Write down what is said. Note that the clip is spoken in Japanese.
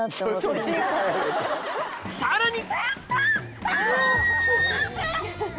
さらに！